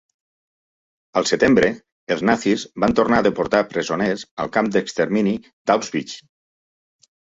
Al setembre, els nazis van tornar a deportar presoners al camp d'extermini d'Auschwitz.